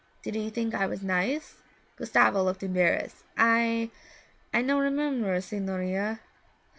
Did he think I was nice?' Gustavo looked embarrassed. 'I I no remember, signorina.'